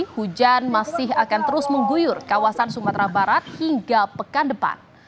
hujan masih akan terus mengguyur kawasan sumatera barat hingga pekan depan